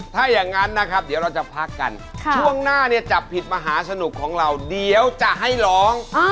ตอนนี้คนที่ชุดผิดมาหาสนุกของเราเดี๋ยวจะให้ร้อง